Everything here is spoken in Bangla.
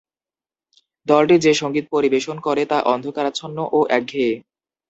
দলটি যে সঙ্গীত পরিবেশন করে তা অন্ধকারাচ্ছন্ন ও একঘেয়ে।